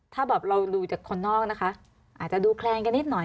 ถ้าแบบเราดูจากคนนอกนะคะอาจจะดูแคลนกันนิดหน่อย